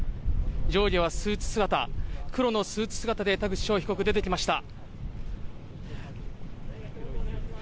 上下黒のスーツ姿で田口翔被告が出てきました。